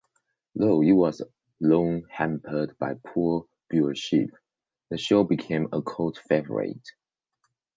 Though it was long hampered by poor viewership, the show became a cult favorite.